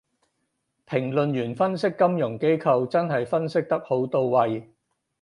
評論員分析金融機構真係分析得好到位